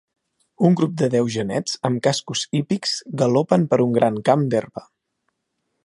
Un grup de deu genets amb cascos hípics galopen per un gran camp d'herba.